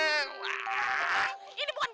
ini bukan gemuk bang